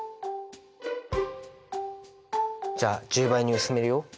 じゃあ１０倍に薄めるよ。